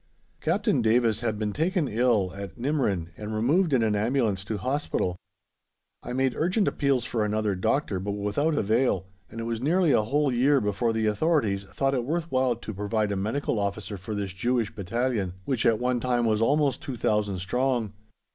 Captain Davis had been taken ill at Nimrin, and removed in an ambulance to hospital. I made urgent appeals for another doctor, but without avail, and it was nearly a whole year before the authorities thought it worth while to provide a medical officer for this Jewish Battalion, which at one time was almost 2,000 strong.